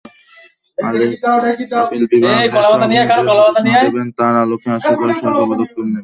Appeal বিভাগ যেসব নির্দেশনা দেবেন, তার আলোকে আশা করি সরকার পদক্ষেপ নেবে।